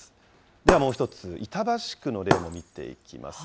ではもう一つ、板橋区の例も見ていきます。